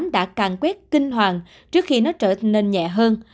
đã càng quét kinh hoàng trước khi nó trở nên nhẹ hơn